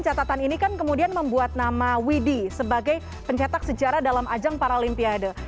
catatan ini kan kemudian membuat nama widhi sebagai pencetak sejarah dalam ajang paralimpiade